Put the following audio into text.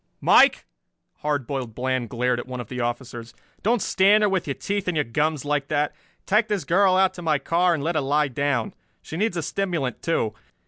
"Mike!" Hard Boiled Bland glared at one of the officers. "Don't stand there with your teeth in your gums like that. Take this girl out to my car and let her lie down. She needs a stimulant, too.